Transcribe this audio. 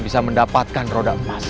bisa mendapatkan roda emas